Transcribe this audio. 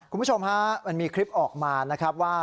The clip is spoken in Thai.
คุณผู้ชมฮะมันมีคลิปออกมานะครับว่า